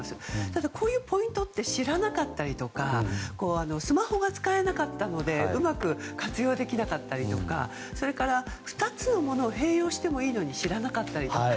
ただ、こういうポイントって知らなかったりとかスマホが使えなかったのでうまく活用できなかったりとかそれから２つのものを併用していいのに知らなかったり。